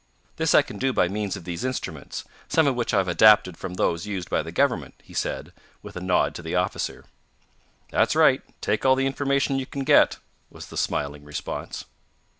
This I can do by means of these instruments, some of which I have adapted from those used by the government," he said, with a nod to the officer. "That's right take all the information you can get," was the smiling response.